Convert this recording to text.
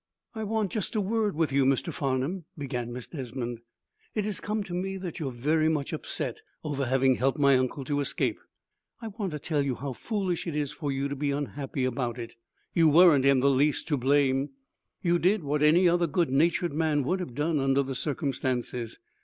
"I want just a word with you, Mr. Farnum," began Miss Desmond. "It has come to me that you are very much upset over having helped my uncle to escape. I want to tell you how foolish it is for you to be unhappy about it. You weren't in the least to blame. You did what any other good natured man would have done under the circumstances.